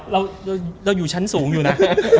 เราอยู่ชั้นสูงอยู่นะ